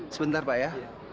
sebentar pak ya